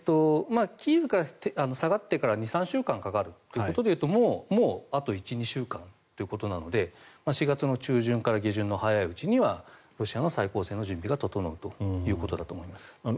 キーウから下がってから２３週間かかるということでいうともうあと１２週間ということなので４月中旬から下旬の早いうちにはロシアの再攻勢の準備が整うということだと思います。